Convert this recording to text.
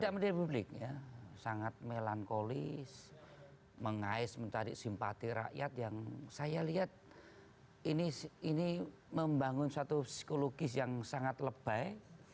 tidak menjadi publik ya sangat melankolis mengais mencari simpati rakyat yang saya lihat ini membangun satu psikologis yang sangat lebay